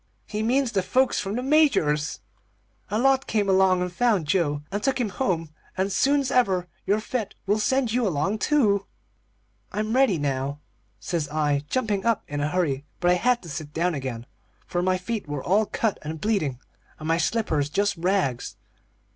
He means the folks from the Major's. A lot came along and found Joe, and took him home, and soon's ever you're fit we'll send you along, too.' "'I'm ready now,' says I, jumping up in a hurry. But I had to sit down again, for my feet were all cut and bleeding, and my slippers just rags.